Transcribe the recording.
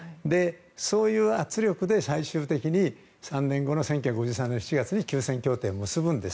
そういう圧力で最終的に３年後の１９５３年の７月に休戦協定を結ぶんです。